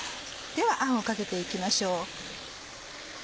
ではあんをかけて行きましょう。